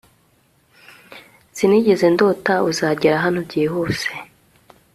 Sinigeze ndota uzagera hano byihuse